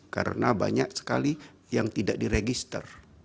karena banyak sekali yang tidak diregister